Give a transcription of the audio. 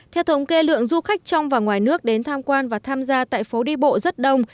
theo thống kê lượng du khách trong và ngoài nước đến tham quan và tham gia tại phố đi bộ rất đông